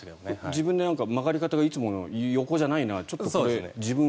自分で、曲がり方がいつもの横じゃないなこれ、自分